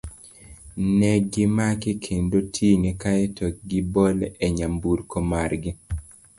Ne gimake kendo tinge kae to gibole e nyamburko mar gi.